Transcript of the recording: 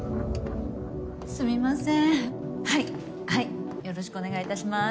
すみませんはいはいよろしくお願いいたします